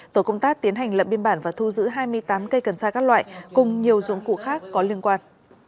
tổ công tác tiến hành lậm biên bản và thu giữ hai mươi tám cây cần sa các loại cùng nhiều dụng cụ khác có liên quan